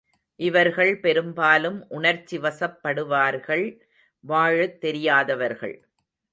இவர்கள் பெரும்பாலும் உணர்ச்சிவசப் படுவார்கள் வாழத் தெரியாதவர்கள்.